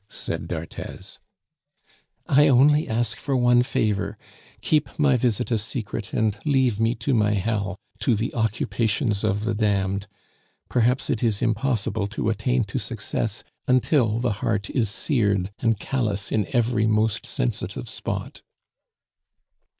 said d'Arthez "I only ask for one favor, keep my visit a secret and leave me to my hell, to the occupations of the damned. Perhaps it is impossible to attain to success until the heart is seared and callous in every most sensitive spot."